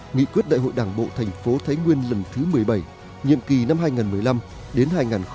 nghị quyết đại hội đảng bộ thành phố thái nguyên lần thứ một mươi bảy nhiệm kỳ năm hai nghìn một mươi năm đến hai nghìn hai mươi năm